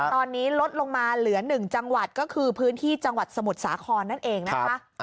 ตอนนี้ลดลงมาเหลือ๑จังหวัดก็คือพื้นที่จังหวัดสมุทรสาครนั่นเองนะคะ